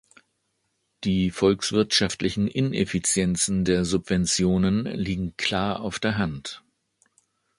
Die volkswirtschaftlichen Ineffizienzen der Subventionen liegen klar auf der Hand.